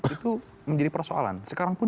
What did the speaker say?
itu menjadi persoalan sekarang pun